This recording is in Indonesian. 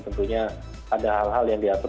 tentunya ada hal hal yang diatur